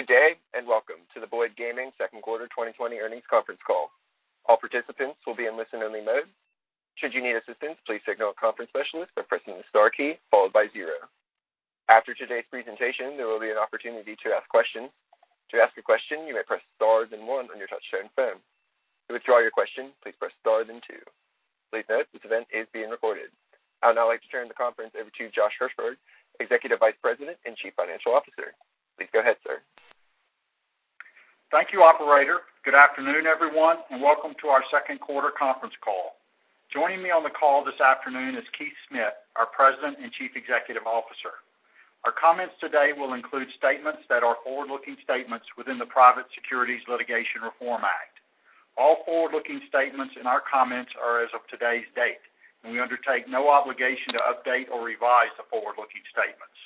Good day, and welcome to the Boyd Gaming second quarter 2020 earnings conference call. All participants will be in listen-only mode. Should you need assistance, please signal a conference specialist by pressing the star key followed by zero. After today's presentation, there will be an opportunity to ask questions. To ask a question, you may press star, then one on your touchtone phone. To withdraw your question, please press star then two. Please note, this event is being recorded. I'd now like to turn the conference over to Josh Hirsberg, Executive Vice President and Chief Financial Officer. Please go ahead, sir. Thank you, operator. Good afternoon, everyone, and welcome to our second quarter conference call. Joining me on the call this afternoon is Keith Smith, our President and Chief Executive Officer. Our comments today will include statements that are forward-looking statements within the Private Securities Litigation Reform Act. All forward-looking statements in our comments are as of today's date, and we undertake no obligation to update or revise the forward-looking statements.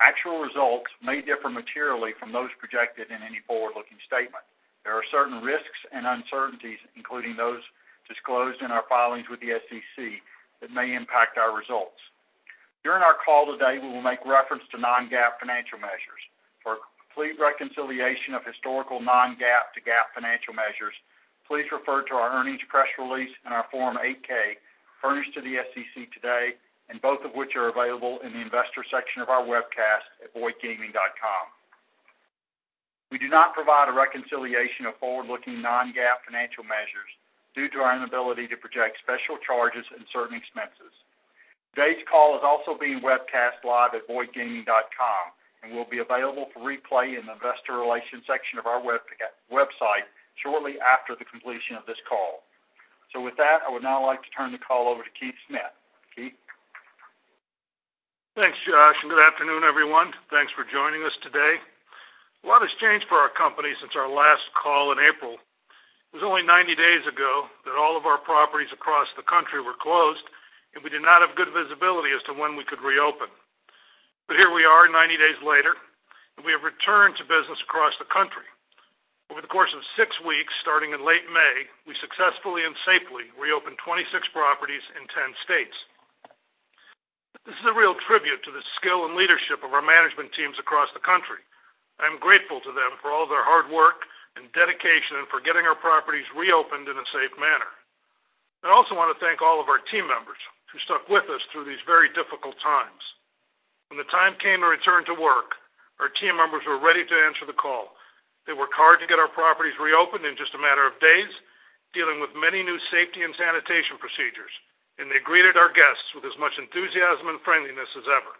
Actual results may differ materially from those projected in any forward-looking statement. There are certain risks and uncertainties, including those disclosed in our filings with the SEC, that may impact our results. During our call today, we will make reference to non-GAAP financial measures. For a complete reconciliation of historical non-GAAP to GAAP financial measures, please refer to our earnings press release and our Form 8-K, furnished to the SEC today, and both of which are available in the investor section of our website at boydgaming.com. We do not provide a reconciliation of forward-looking non-GAAP financial measures due to our inability to project special charges and certain expenses. Today's call is also being webcast live at boydgaming.com and will be available for replay in the investor relations section of our website shortly after the completion of this call. So with that, I would now like to turn the call over to Keith Smith. Keith? Thanks, Josh, and good afternoon, everyone. Thanks for joining us today. A lot has changed for our company since our last call in April. It was only 90 days ago that all of our properties across the country were closed, and we did not have good visibility as to when we could reopen. But here we are, 90 days later, and we have returned to business across the country. Over the course of six weeks, starting in late May, we successfully and safely reopened 26 properties in 10 states. This is a real tribute to the skill and leadership of our management teams across the country. I'm grateful to them for all their hard work and dedication and for getting our properties reopened in a safe manner. I also want to thank all of our team members who stuck with us through these very difficult times. When the time came to return to work, our team members were ready to answer the call. They worked hard to get our properties reopened in just a matter of days, dealing with many new safety and sanitation procedures, and they greeted our guests with as much enthusiasm and friendliness as ever.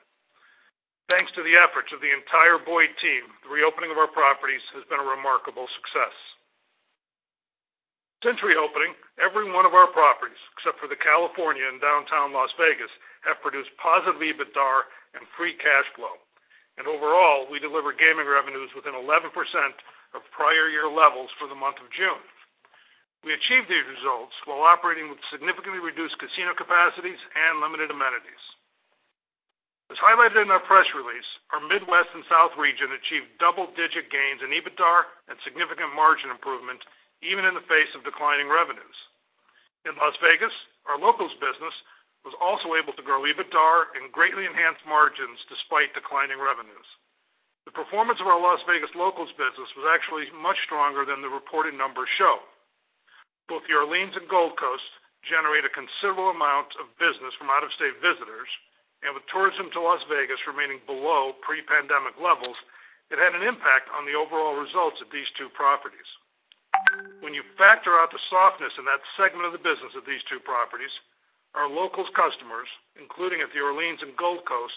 Thanks to the efforts of the entire Boyd team, the reopening of our properties has been a remarkable success. Since reopening, every one of our properties, except for the California and Downtown Las Vegas, have produced positive EBITDA and free cash flow, and overall, we delivered gaming revenues within 11% of prior year levels for the month of June. We achieved these results while operating with significantly reduced casino capacities and limited amenities. As highlighted in our press release, our Midwest and South region achieved double-digit gains in EBITDA and significant margin improvement, even in the face of declining revenues. In Las Vegas, our locals business was also able to grow EBITDA and greatly enhance margins despite declining revenues. The performance of our Las Vegas locals business was actually much stronger than the reported numbers show. Both The Orleans and Gold Coast generate a considerable amount of business from out-of-state visitors, and with tourism to Las Vegas remaining below pre-pandemic levels, it had an impact on the overall results of these two properties. When you factor out the softness in that segment of the business of these two properties, our locals customers, including at The Orleans and Gold Coast,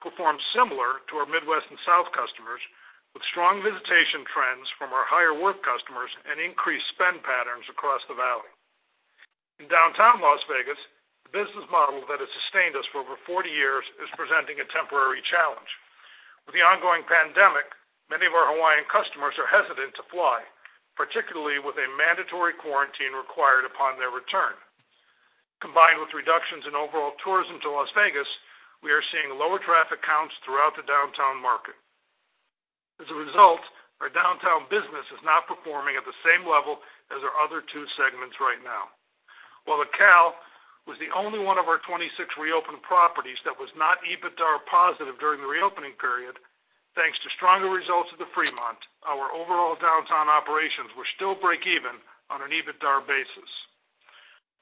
performed similar to our Midwest and South customers, with strong visitation trends from our higher worth customers and increased spend patterns across the valley. In Downtown Las Vegas, the business model that has sustained us for over 40 years is presenting a temporary challenge. With the ongoing pandemic, many of our Hawaiian customers are hesitant to fly, particularly with a mandatory quarantine required upon their return. Combined with reductions in overall tourism to Las Vegas, we are seeing lower traffic counts throughout the downtown market. As a result, our downtown business is not performing at the same level as our other two segments right now. While the Cal was the only one of our 26 reopened properties that was not EBITDA positive during the reopening period, thanks to stronger results at the Fremont, our overall downtown operations were still break even on an EBITDA basis.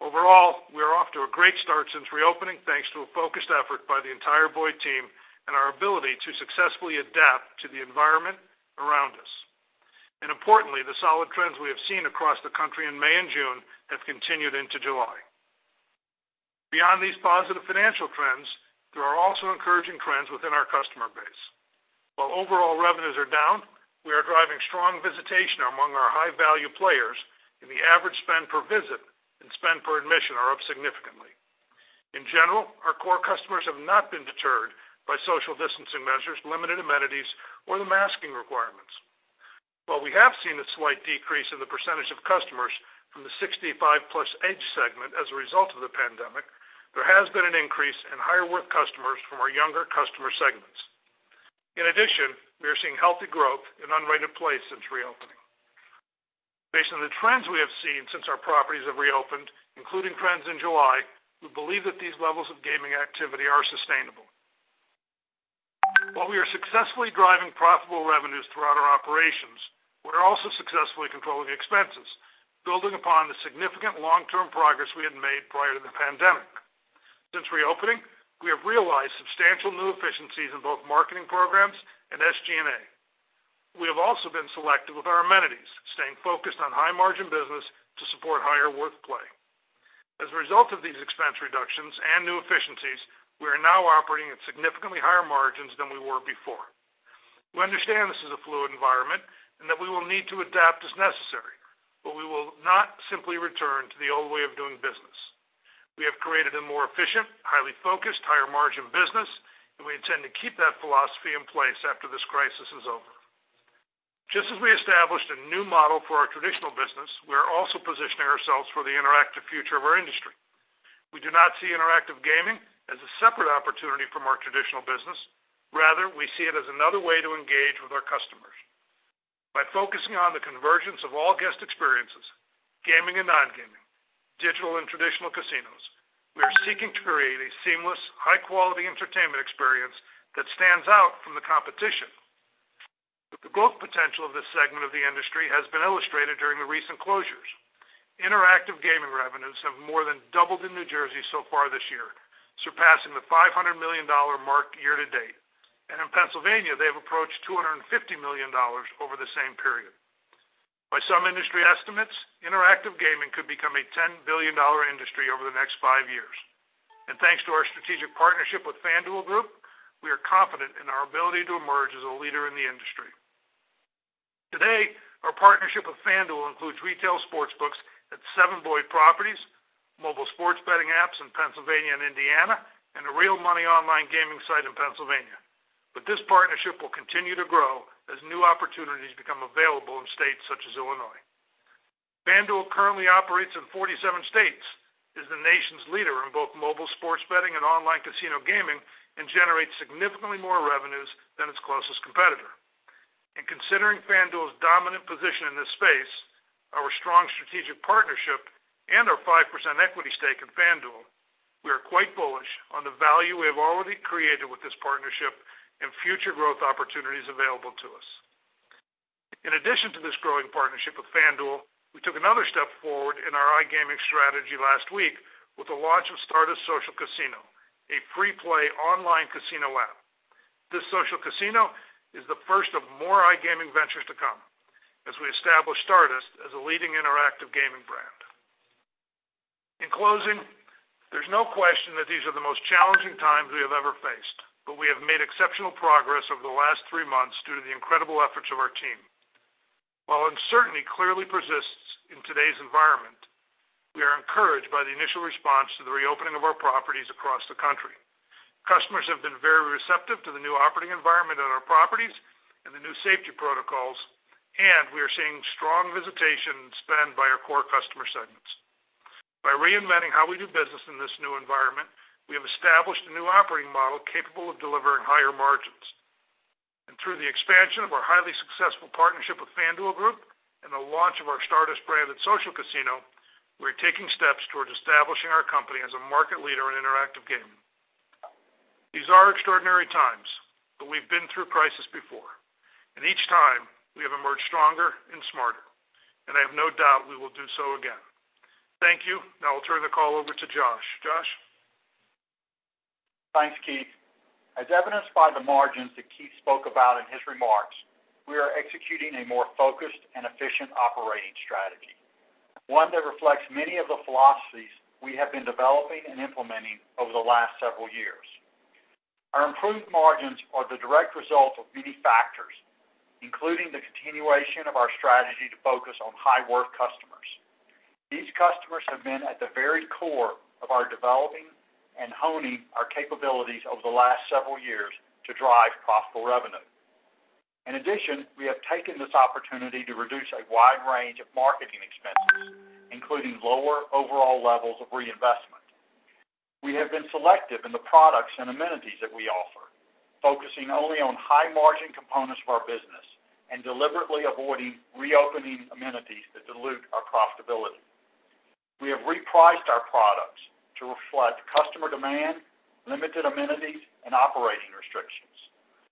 Overall, we are off to a great start since reopening, thanks to a focused effort by the entire Boyd team and our ability to successfully adapt to the environment around us. Importantly, the solid trends we have seen across the country in May and June have continued into July. Beyond these positive financial trends, there are also encouraging trends within our customer base. While overall revenues are down, we are driving strong visitation among our high-value players, and the average spend per visit and spend per admission are up significantly. In general, our core customers have not been deterred by social distancing measures, limited amenities, or the masking requirements. While we have seen a slight decrease in the percentage of customers from the 65+ age segment as a result of the pandemic, there has been an increase in higher worth customers from our younger customer segments. In addition, we are seeing healthy growth in unregulated play since reopening. Based on the trends we have seen since our properties have reopened, including trends in July, we believe that these levels of gaming activity are sustainable. While we are successfully driving profitable revenues throughout our operations, we're also successfully controlling expenses, building upon the significant long-term progress we had made prior to the pandemic. Since reopening, we have realized substantial new efficiencies in both marketing programs and SG&A. We have also been selective with our amenities, staying focused on high-margin business to support higher worth play. As a result of these expense reductions and new efficiencies, we are now operating at significantly higher margins than we were before. We understand this is a fluid environment, and that we will need to adapt as necessary, but we will not simply return to the old way of doing business. We have created a more efficient, highly focused, higher margin business, and we intend to keep that philosophy in place after this crisis is over. Just as we established a new model for our traditional business, we are also positioning ourselves for the interactive future of our industry. We do not see interactive gaming as a separate opportunity from our traditional business, rather, we see it as another way to engage with our customers. By focusing on the convergence of all guest experiences, gaming and non-gaming, digital and traditional casinos, we are seeking to create a seamless, high-quality entertainment experience that stands out from the competition. But the growth potential of this segment of the industry has been illustrated during the recent closures. Interactive gaming revenues have more than doubled in New Jersey so far this year, surpassing the $500 million mark year to date. In Pennsylvania, they have approached $250 million over the same period. By some industry estimates, interactive gaming could become a $10 billion industry over the next five years. Thanks to our strategic partnership with FanDuel Group, we are confident in our ability to emerge as a leader in the industry. Today, our partnership with FanDuel includes retail sports books at seven Boyd properties, mobile sports betting apps in Pennsylvania and Indiana, and a real money online gaming site in Pennsylvania. But this partnership will continue to grow as new opportunities become available in states such as Illinois. FanDuel currently operates in 47 states, is the nation's leader in both mobile sports betting and online casino gaming, and generates significantly more revenues than its closest competitor. In considering FanDuel's dominant position in this space, our strong strategic partnership and our 5% equity stake in FanDuel, we are quite bullish on the value we have already created with this partnership and future growth opportunities available to us. In addition to this growing partnership with FanDuel, we took another step forward in our iGaming strategy last week with the launch of Stardust Social Casino, a free play online casino app. This social casino is the first of more iGaming ventures to come, as we establish Stardust as a leading interactive gaming brand. In closing, there's no question that these are the most challenging times we have ever faced, but we have made exceptional progress over the last three months due to the incredible efforts of our team. While uncertainty clearly persists in today's environment, we are encouraged by the initial response to the reopening of our properties across the country. Customers have been very receptive to the new operating environment at our properties and the new safety protocols, and we are seeing strong visitation spend by our core customer segments. By reinventing how we do business in this new environment, we have established a new operating model capable of delivering higher margins. And through the expansion of our highly successful partnership with FanDuel Group and the launch of our Stardust branded social casino, we're taking steps towards establishing our company as a market leader in interactive gaming. These are extraordinary times, but we've been through crisis before, and each time, we have emerged stronger and smarter, and I have no doubt we will do so again. Thank you. Now I'll turn the call over to Josh. Josh? Thanks, Keith. As evidenced by the margins that Keith spoke about in his remarks, we are executing a more focused and efficient operating strategy, one that reflects many of the philosophies we have been developing and implementing over the last several years. Our improved margins are the direct result of many factors, including the continuation of our strategy to focus on high worth customers. These customers have been at the very core of our developing and honing our capabilities over the last several years to drive profitable revenue. In addition, we have taken this opportunity to reduce a wide range of marketing expenses, including lower overall levels of reinvestment. We have been selective in the products and amenities that we offer, focusing only on high-margin components of our business and deliberately avoiding reopening amenities that dilute our profitability. We have repriced our products to reflect customer demand, limited amenities, and operating restrictions.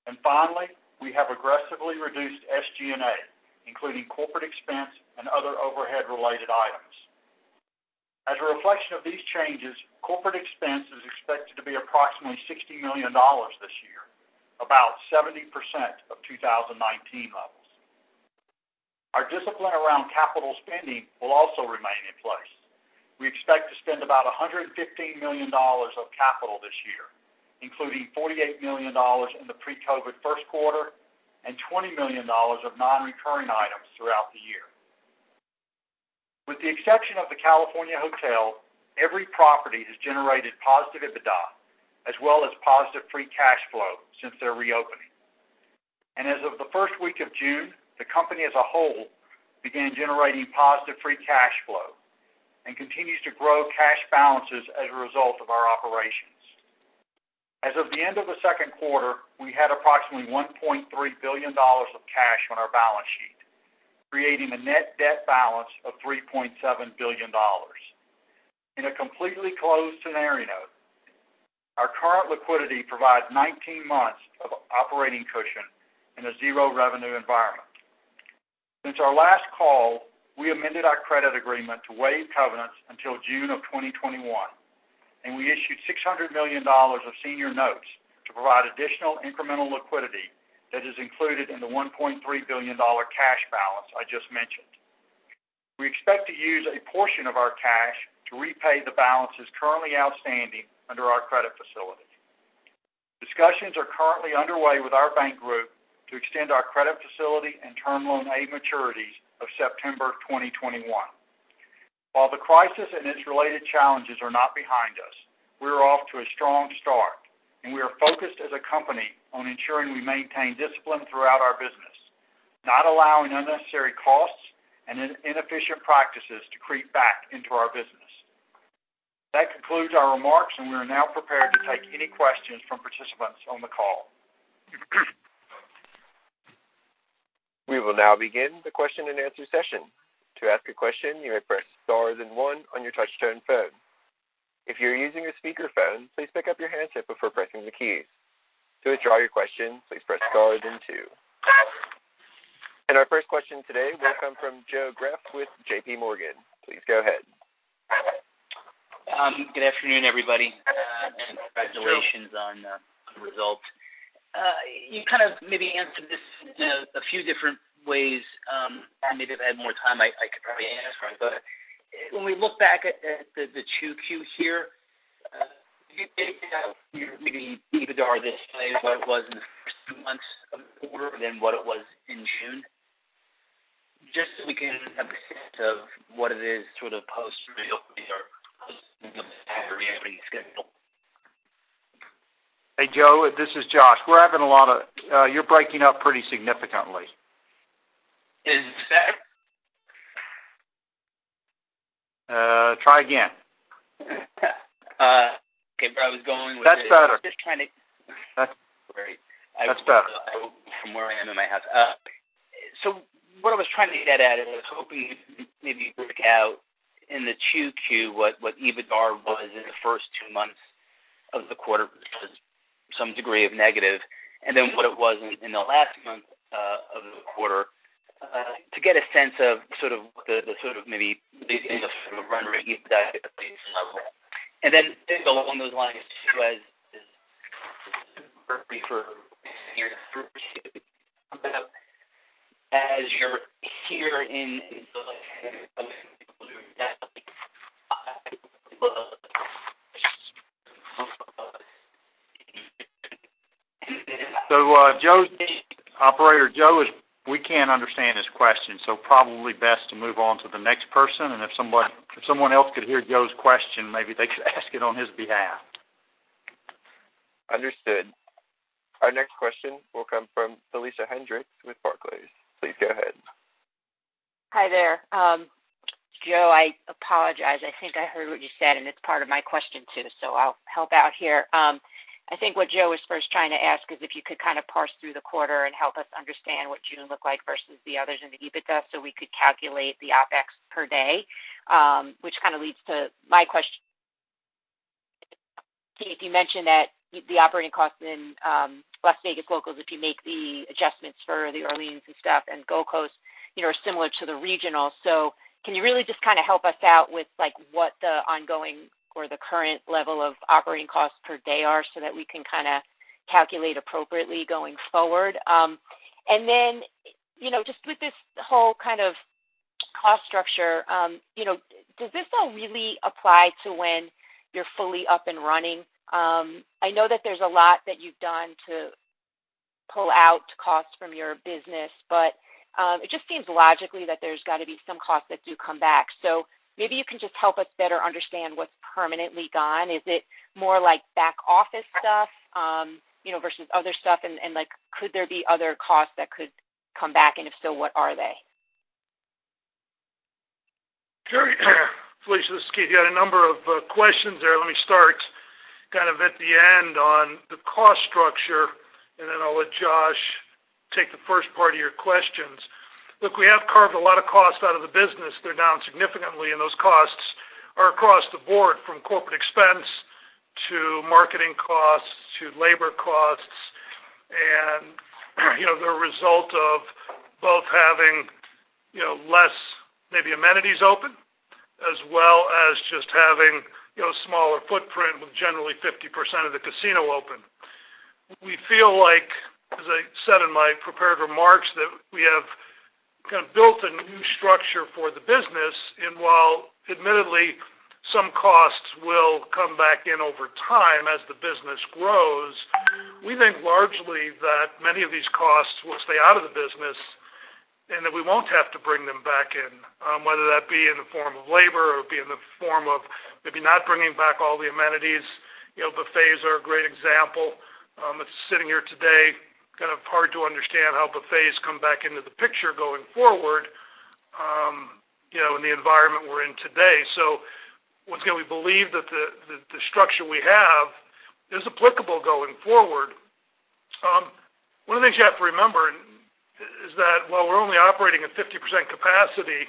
And finally, we have aggressively reduced SG&A, including corporate expense and other overhead-related items. As a reflection of these changes, corporate expense is expected to be approximately $60 million this year, about 70% of 2019 levels. Our discipline around capital spending will also remain in place. We expect to spend about $115 million of capital this year, including $48 million in the pre-COVID first quarter and $20 million of non-recurring items throughout the year. With the exception of the California Hotel, every property has generated positive EBITDA, as well as positive free cash flow since their reopening. As of the first week of June, the company as a whole began generating positive free cash flow and continues to grow cash balances as a result of our operations. As of the end of the second quarter, we had approximately $1.3 billion of cash on our balance sheet, creating a net debt balance of $3.7 billion. In a completely closed scenario note, our current liquidity provides 19 months of operating cushion in a zero revenue environment. Since our last call, we amended our credit agreement to waive covenants until June of 2021, and we issued $600 million of senior notes to provide additional incremental liquidity that is included in the $1.3 billion cash balance I just mentioned. We expect to use a portion of our cash to repay the balances currently outstanding under our credit facility. Discussions are currently underway with our bank group to extend our credit facility and Term Loan A maturities of September 2021. While the crisis and its related challenges are not behind us, we're off to a strong start, and we are focused as a company on ensuring we maintain discipline throughout our business, not allowing unnecessary costs and inefficient practices to creep back into our business. That concludes our remarks, and we are now prepared to take any questions from participants on the call. We will now begin the question and answer session. To ask a question, you may press star then one on your touchtone phone. If you're using a speakerphone, please pick up your handset before pressing the keys. To withdraw your question, please press star and two. Our first question today will come from Joe Greff with J.P. Morgan. Please go ahead. Good afternoon, everybody, and congratulations on the results. You kind of maybe answered this in a few different ways, and maybe if I had more time, I could probably answer it. But when we look back at the 2Q here, can you maybe EBITDA this way, what it was in the first two months of the quarter than what it was in June? Just so we can have a sense of what it is sort of post reopening or reopening schedule. Hey, Joe, this is Josh. We're having a lot of... You're breaking up pretty significantly. Is that- Try again. Okay, where I was going with it- That's better. Just trying to- That's great. That's better. From where I am in my house. So what I was trying to get at is I was hoping you maybe break out in the 2Q, what EBITDA was in the first two months of the quarter, because some degree of negative, and then what it was in the last month of the quarter, to get a sense of sort of the run rate level. And then along those lines, too, as for your first, as you're here in So, Joe, Operator, Joe is, we can't understand his question, so probably best to move on to the next person, and if someone, if someone else could hear Joe's question, maybe they should ask it on his behalf. Understood. Our next question will come from Felicia Hendricks with Barclays. Please go ahead. Hi there. Joe, I apologize. I think I heard what you said, and it's part of my question, too, so I'll help out here. I think what Joe was first trying to ask is if you could kind of parse through the quarter and help us understand what June looked like versus the others in the EBITDA, so we could calculate the OpEx per day, which kind of leads to my question. You mentioned that the operating costs in Las Vegas Locals, if you make the adjustments for the Orleans and stuff and Gold Coast, you know, are similar to the regional. So can you really just kind of help us out with, like, what the ongoing or the current level of operating costs per day are so that we can kind of calculate appropriately going forward? And then, you know, just with this whole kind of cost structure, you know, does this all really apply to when you're fully up and running? I know that there's a lot that you've done to pull out costs from your business, but, it just seems logically that there's got to be some costs that do come back. So maybe you can just help us better understand what's permanently gone. Is it more like back office stuff, you know, versus other stuff? And like, could there be other costs that could come back, and if so, what are they? Sure. Felicia, this is Keith. You had a number of questions there. Let me start kind of at the end on the cost structure, and then I'll let Josh take the first part of your questions. Look, we have carved a lot of costs out of the business. They're down significantly, and those costs are across the board, from corporate expense to marketing costs to labor costs. And, you know, they're a result of both having, you know, less maybe amenities open, as well as just having, you know, smaller footprint, with generally 50% of the casino open. We feel like, as I said in my prepared remarks, that we have kind of built a new structure for the business, and while admittedly, some costs will come back in over time as the business grows, we think largely that many of these costs will stay out of the business and that we won't have to bring them back in, whether that be in the form of labor or be in the form of maybe not bringing back all the amenities. You know, buffets are a great example. It's sitting here today, kind of hard to understand how buffets come back into the picture going forward, you know, in the environment we're in today. So once again, we believe that the structure we have is applicable going forward. One of the things you have to remember is that while we're only operating at 50% capacity,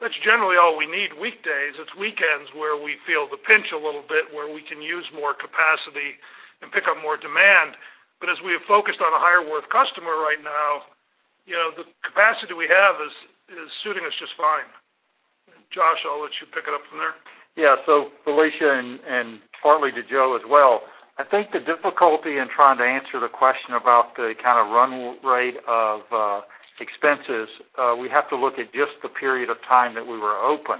that's generally all we need weekdays. It's weekends where we feel the pinch a little bit, where we can use more capacity and pick up more demand. But as we have focused on a higher worth customer right now, you know, the capacity we have is suiting us just fine. Josh, I'll let you pick it up from there. Yeah. So Felicia, and partly to Joe as well, I think the difficulty in trying to answer the question about the kind of run rate of expenses, we have to look at just the period of time that we were open.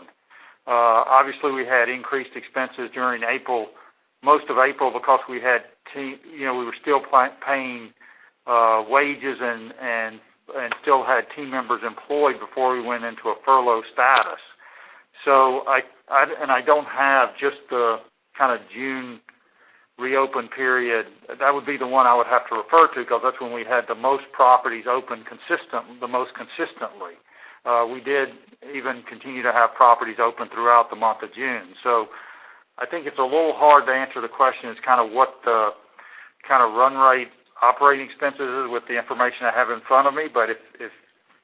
Obviously, we had increased expenses during April, most of April, because you know, we were still paying wages and still had team members employed before we went into a furlough status. So I don't have just the kind of June reopen period. That would be the one I would have to refer to, because that's when we had the most properties open the most consistently. We did even continue to have properties open throughout the month of June. So I think it's a little hard to answer the question as kind of what the kind of run rate operating expenses is with the information I have in front of me, but if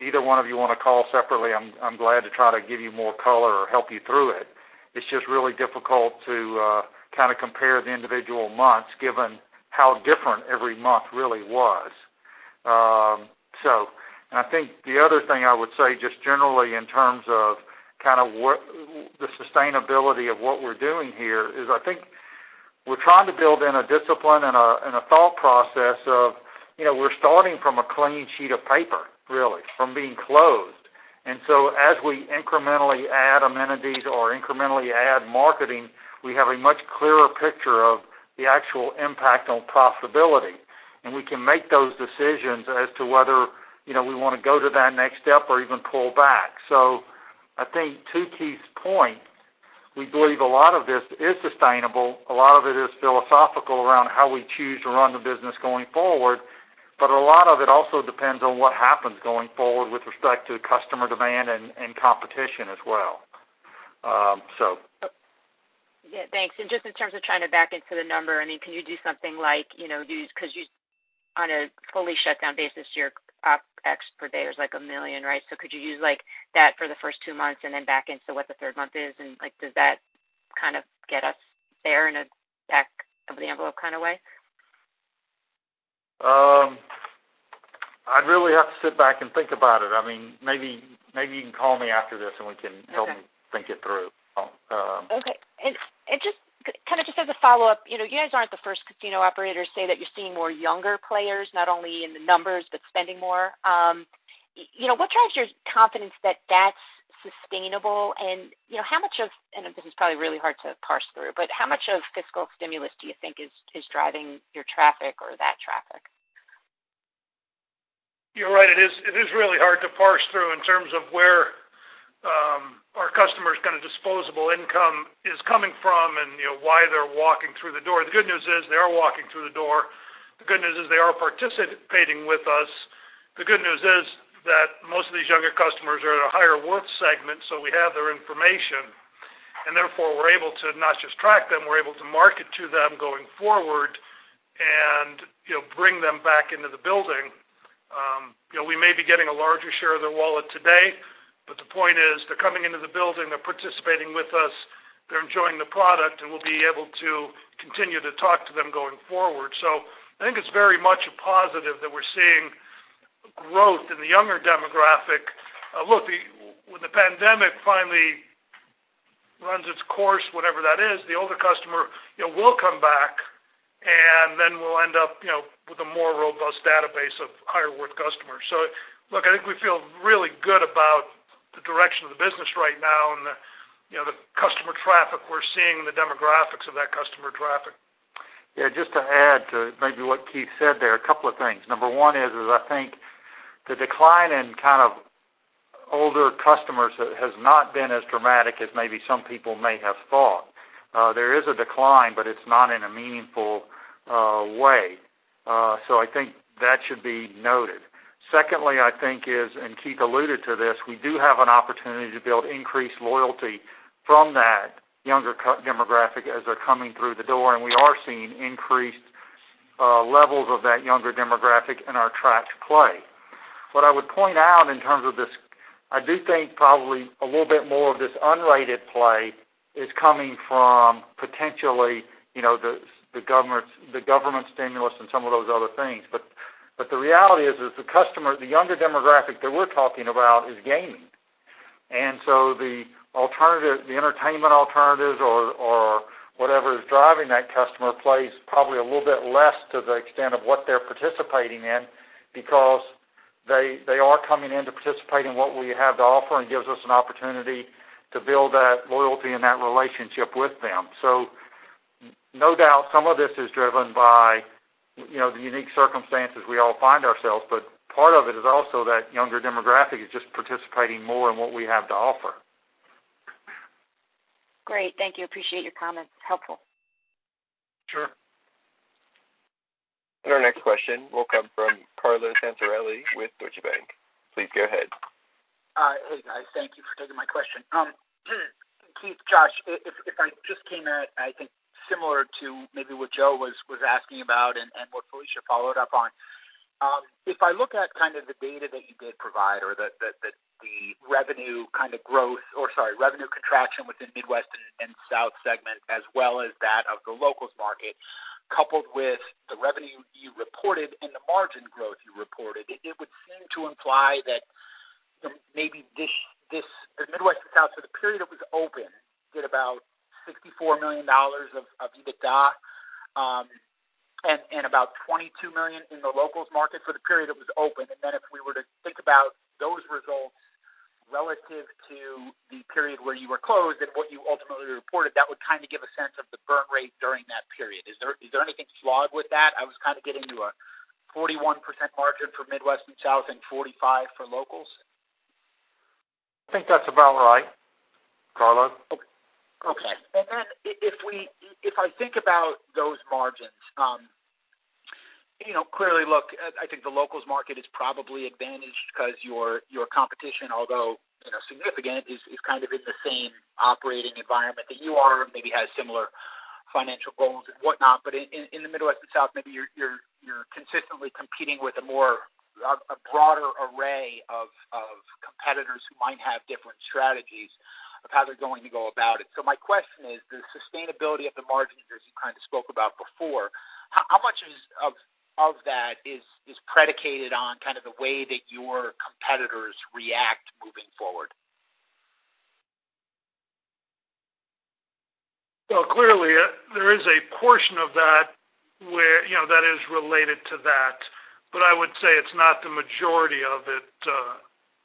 either one of you want to call separately, I'm glad to try to give you more color or help you through it. It's just really difficult to kind of compare the individual months, given how different every month really was. So and I think the other thing I would say, just generally in terms of kind of the sustainability of what we're doing here, is I think we're trying to build in a discipline and a thought process of, you know, we're starting from a clean sheet of paper, really, from being closed. As we incrementally add amenities or incrementally add marketing, we have a much clearer picture of the actual impact on profitability, and we can make those decisions as to whether, you know, we want to go to that next step or even pull back. So I think two key points, we believe a lot of this is sustainable. A lot of it is philosophical around how we choose to run the business going forward, but a lot of it also depends on what happens going forward with respect to customer demand and competition as well. Yeah, thanks. Just in terms of trying to back into the number, I mean, can you do something like, you know, use, because you on a fully shutdown basis, your OpEx per day is like $1 million, right? So could you use like that for the first two months and then back into what the third month is? And, like, does that kind of get us there in a back of the envelope kind of way? I'd really have to sit back and think about it. I mean, maybe, maybe you can call me after this, and we can- Okay. Help me think it through. Okay. And just, kind of just as a follow-up, you know, you guys aren't the first casino operators to say that you're seeing more younger players, not only in the numbers, but spending more. You know, what drives your confidence that that's sustainable? And, you know, how much of, and I know this is probably really hard to parse through, but how much of fiscal stimulus do you think is driving your traffic or that traffic? You're right. It is, it is really hard to parse through in terms of where, our customers' kind of disposable income is coming from and, you know, why they're walking through the door. The good news is, they are walking through the door. The good news is they are participating with us. The good news is that most of these younger customers are in a higher worth segment, so we have their information, and therefore, we're able to not just track them, we're able to market to them going forward and, you know, bring them back into the building. You know, we may be getting a larger share of their wallet today, but the point is, they're coming into the building, they're participating with us, they're enjoying the product, and we'll be able to continue to talk to them going forward. So I think it's very much a positive that we're seeing growth in the younger demographic. Look, when the pandemic finally runs its course, whatever that is, the older customer, you know, will come back, and then we'll end up, you know, with a more robust database of higher worth customers. So look, I think we feel really good about the direction of the business right now and the, you know, the customer traffic we're seeing and the demographics of that customer traffic. Yeah, just to add to maybe what Keith said there, a couple of things. Number one is I think the decline in kind of older customers has not been as dramatic as maybe some people may have thought. There is a decline, but it's not in a meaningful way. So I think that should be noted. Secondly, I think, and Keith alluded to this, we do have an opportunity to build increased loyalty from that younger customer demographic as they're coming through the door, and we are seeing increased levels of that younger demographic in our tracked play. What I would point out in terms of this, I do think probably a little bit more of this unrated play is coming from potentially, you know, the government's stimulus and some of those other things. But the reality is, the customer, the younger demographic that we're talking about, is gaming. And so the alternative, the entertainment alternatives or whatever is driving that customer plays probably a little bit less to the extent of what they're participating in, because they are coming in to participate in what we have to offer and gives us an opportunity to build that loyalty and that relationship with them. So no doubt some of this is driven by, you know, the unique circumstances we all find ourselves, but part of it is also that younger demographic is just participating more in what we have to offer. Great. Thank you. Appreciate your comments. Helpful.... question will come from Carlo Santarelli with Deutsche Bank. Please go ahead. Hey, guys, thank you for taking my question. Keith, Josh, if I just came at, I think, similar to maybe what Joe was asking about and what Felicia followed up on. If I look at kind of the data that you did provide or the revenue kind of growth, or sorry, revenue contraction within Midwest and South segment, as well as that of the locals market, coupled with the revenue you reported and the margin growth you reported, it would seem to imply that the Midwest and South, for the period it was open, did about $64 million of EBITDA, and about $22 million in the locals market for the period it was open. And then if we were to think about those results relative to the period where you were closed and what you ultimately reported, that would kind of give a sense of the burn rate during that period. Is there, is there anything flawed with that? I was kind of getting to a 41% margin for Midwest and South and 45% for locals. I think that's about right, Carlo. Okay. And then if I think about those margins, you know, clearly, look, I think the locals market is probably advantaged because your competition, although, you know, significant, is kind of in the same operating environment that you are, maybe has similar financial goals and whatnot. But in the Midwest and South, maybe you're consistently competing with a more, a broader array of competitors who might have different strategies of how they're going to go about it. So my question is, the sustainability of the margins, as you kind of spoke about before, how much of that is predicated on kind of the way that your competitors react moving forward? Well, clearly, there is a portion of that where, you know, that is related to that, but I would say it's not the majority of it.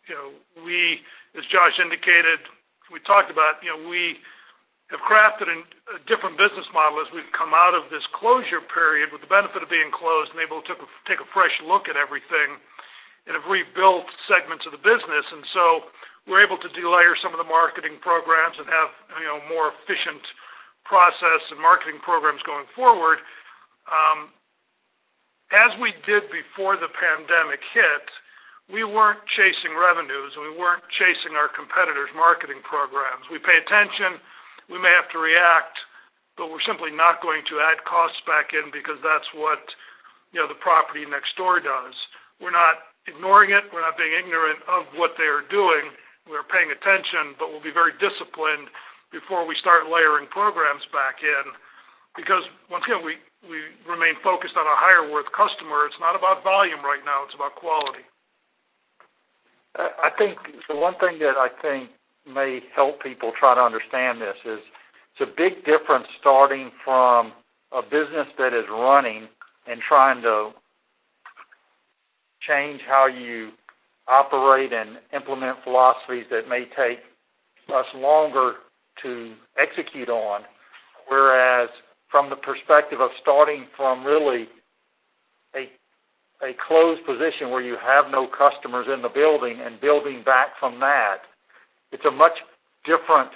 You know, we, as Josh indicated, we talked about, you know, we have crafted a different business model as we've come out of this closure period, with the benefit of being closed and able to take a fresh look at everything and have rebuilt segments of the business. And so we're able to delayer some of the marketing programs and have, you know, more efficient process and marketing programs going forward. As we did before the pandemic hit, we weren't chasing revenues, and we weren't chasing our competitors' marketing programs. We pay attention, we may have to react, but we're simply not going to add costs back in because that's what, you know, the property next door does. We're not ignoring it. We're not being ignorant of what they are doing. We're paying attention, but we'll be very disciplined before we start layering programs back in, because once again, we, we remain focused on a higher worth customer. It's not about volume right now, it's about quality. I think, so one thing that I think may help people try to understand this is, it's a big difference starting from a business that is running and trying to change how you operate and implement philosophies that may take us longer to execute on. Whereas from the perspective of starting from really a closed position where you have no customers in the building and building back from that, it's a much different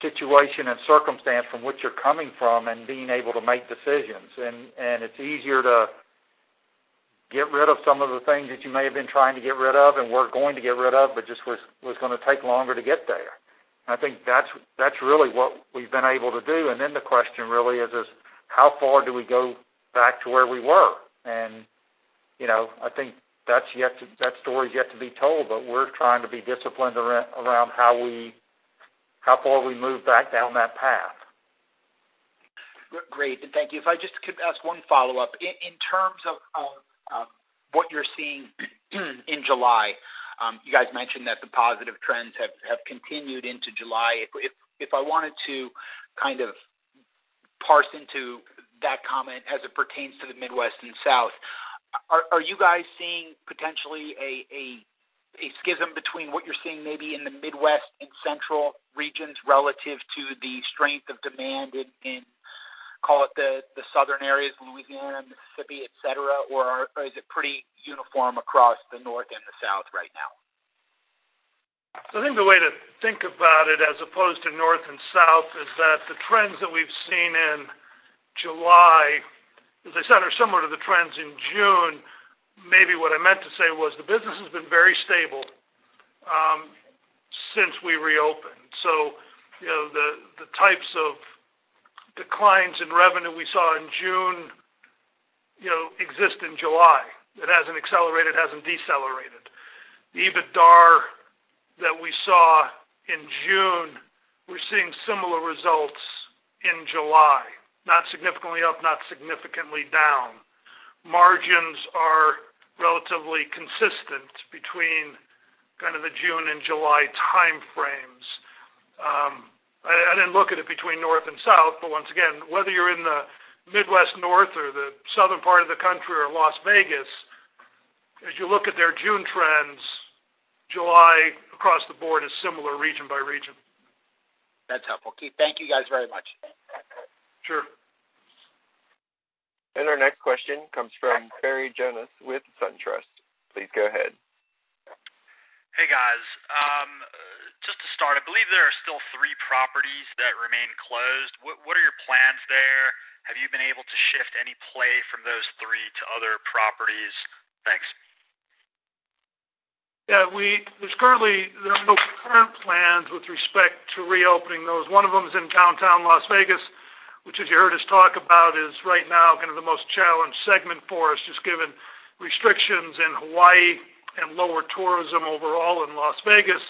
situation and circumstance from which you're coming from and being able to make decisions. And it's easier to get rid of some of the things that you may have been trying to get rid of and were going to get rid of, but just was gonna take longer to get there. And I think that's really what we've been able to do. And then the question really is, is how far do we go back to where we were? And, you know, I think that's yet to... That story is yet to be told, but we're trying to be disciplined around how we, how far we move back down that path. Great, thank you. If I just could ask one follow-up. In terms of what you're seeing in July, you guys mentioned that the positive trends have continued into July. If I wanted to kind of parse into that comment as it pertains to the Midwest and South, are you guys seeing potentially a schism between what you're seeing maybe in the Midwest and central regions, relative to the strength of demand in call it the southern areas, Louisiana, Mississippi, et cetera? Or is it pretty uniform across the North and the South right now? So I think the way to think about it, as opposed to North and South, is that the trends that we've seen in July, as I said, are similar to the trends in June. Maybe what I meant to say was the business has been very stable since we reopened. So you know, the, the types of declines in revenue we saw in June, you know, exist in July. It hasn't accelerated, it hasn't decelerated. The EBITDAR that we saw in June, we're seeing similar results in July, not significantly up, not significantly down. Margins are relatively consistent between kind of the June and July time frames. I didn't look at it between North and South, but once again, whether you're in the Midwest, North or the southern part of the country or Las Vegas, as you look at their June trends, July across the board is similar region by region. That's helpful. Keith, thank you guys very much. Sure. Our next question comes from Barry Jonas with SunTrust. Please go ahead. ...properties that remain closed, what, what are your plans there? Have you been able to shift any play from those three to other properties? Thanks. Yeah, we—there's currently, there are no current plans with respect to reopening those. One of them is in Downtown Las Vegas, which as you heard us talk about, is right now kind of the most challenged segment for us, just given restrictions in Hawaii and lower tourism overall in Las Vegas.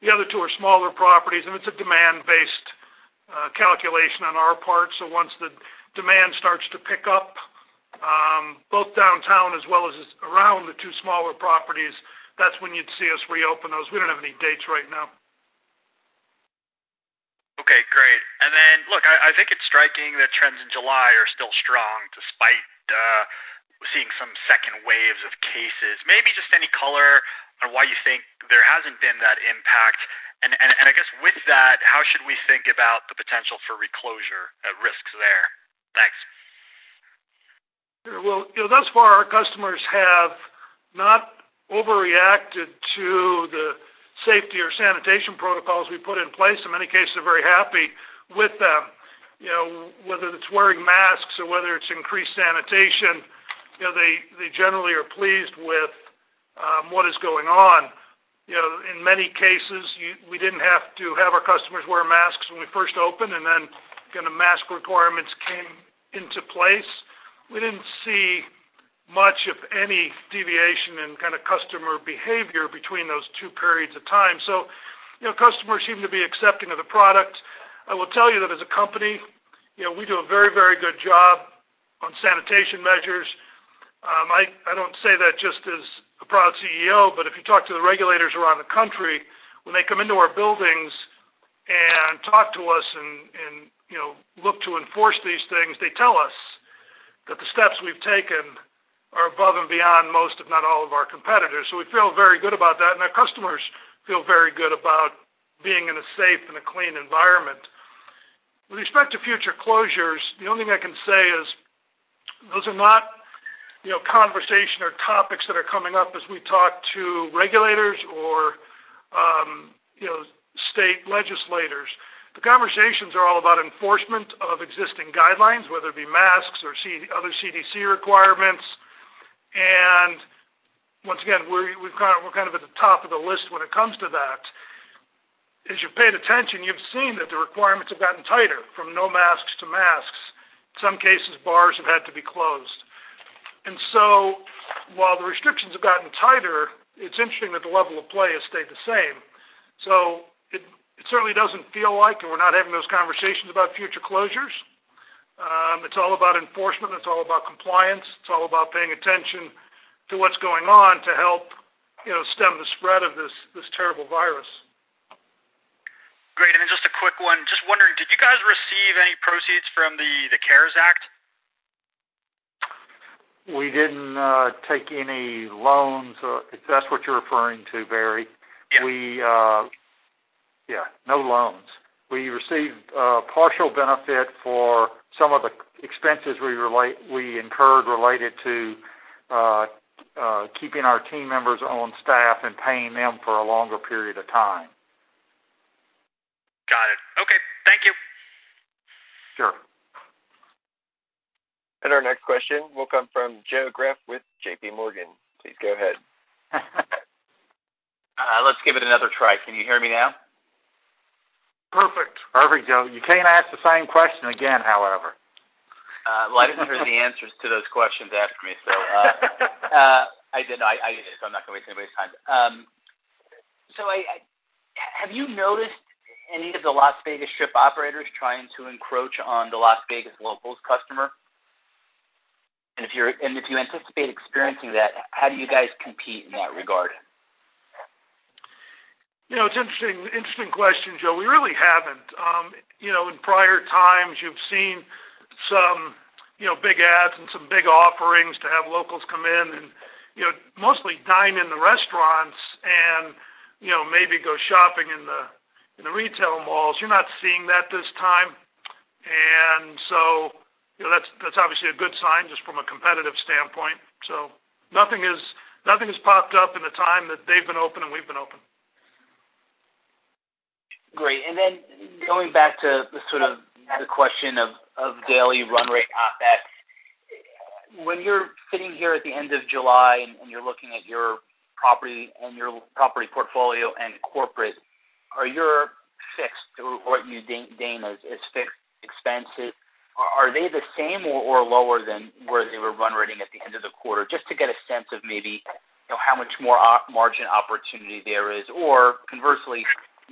The other two are smaller properties, and it's a demand-based calculation on our part. So once the demand starts to pick up, both downtown as well as around the two smaller properties, that's when you'd see us reopen those. We don't have any dates right now. Okay, great. And then, look, I think it's striking that trends in July are still strong, despite seeing some second waves of cases. Maybe just any color on why you think there hasn't been that impact. And I guess with that, how should we think about the potential for reclosure risks there? Thanks. Well, you know, thus far, our customers have not overreacted to the safety or sanitation protocols we put in place. In many cases, they're very happy with them. You know, whether it's wearing masks or whether it's increased sanitation, you know, they generally are pleased with what is going on. You know, in many cases, we didn't have to have our customers wear masks when we first opened, and then, kind of, mask requirements came into place. We didn't see much of any deviation in kind of customer behavior between those two periods of time. So, you know, customers seem to be accepting of the product. I will tell you that as a company, you know, we do a very, very good job on sanitation measures. I don't say that just as a proud CEO, but if you talk to the regulators around the country, when they come into our buildings and talk to us and, you know, look to enforce these things, they tell us that the steps we've taken are above and beyond most, if not all, of our competitors. So we feel very good about that, and our customers feel very good about being in a safe and a clean environment. With respect to future closures, the only thing I can say is those are not, you know, conversation or topics that are coming up as we talk to regulators or, you know, state legislators. The conversations are all about enforcement of existing guidelines, whether it be masks or CDC or other CDC requirements. Once again, we've kind of – we're kind of at the top of the list when it comes to that. As you've paid attention, you've seen that the requirements have gotten tighter, from no masks to masks. Some cases, bars have had to be closed. So while the restrictions have gotten tighter, it's interesting that the level of play has stayed the same. So it certainly doesn't feel like, and we're not having those conversations about future closures. It's all about enforcement, it's all about compliance, it's all about paying attention to what's going on to help, you know, stem the spread of this terrible virus. Great. And then just a quick one. Just wondering, did you guys receive any proceeds from the CARES Act? We didn't take any loans, if that's what you're referring to, Barry. Yeah. Yeah, no loans. We received partial benefit for some of the expenses we incurred related to keeping our team members on staff and paying them for a longer period of time. Got it. Okay. Thank you. Sure. Our next question will come from Joe Greff with J.P. Morgan. Please go ahead. Let's give it another try. Can you hear me now? Perfect. Perfect, Joe. You can't ask the same question again, however. Well, I didn't hear the answers to those questions asked me, so I'm not gonna waste anybody's time. So have you noticed any of the Las Vegas Strip operators trying to encroach on the Las Vegas locals customer? And if you anticipate experiencing that, how do you guys compete in that regard? You know, it's interesting, interesting question, Joe. We really haven't. You know, in prior times, you've seen some, you know, big ads and some big offerings to have locals come in and, you know, mostly dine in the restaurants and, you know, maybe go shopping in the, in the retail malls. You're not seeing that this time. And so, you know, that's, that's obviously a good sign just from a competitive standpoint. So nothing has popped up in the time that they've been open and we've been open. Great. Then going back to the sort of the question of daily run-rate OpEx. When you're sitting here at the end of July and you're looking at your property and your property portfolio and corporate, are your fixed, or what you deem as fixed expenses, are they the same or lower than where they were run-rating at the end of the quarter? Just to get a sense of maybe, you know, how much more op margin opportunity there is, or conversely,